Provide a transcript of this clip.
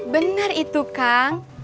benar itu kang